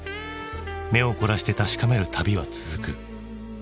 目を凝らして確かめる旅は続く。